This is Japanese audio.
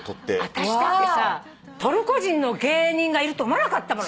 私だってさトルコ人の芸人がいると思わなかったもの。